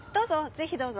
ぜひどうぞ。